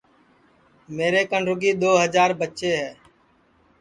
میرے کن رُگی دؔو ہجار بچے ہے